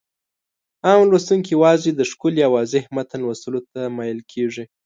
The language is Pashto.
عام لوستونکي يوازې د ښکلي او واضح متن لوستلو ته مايل کېږي.